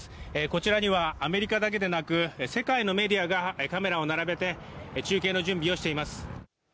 こちらにはアメリカだけでなく、世界のメディアがカメラを並べて中継の準備をしています。